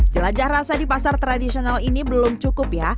jelajah rasa di pasar tradisional ini belum cukup ya